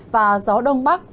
và gió đông bắc